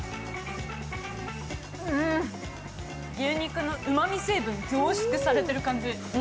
牛肉のうまみ成分、凝縮されてる感じ。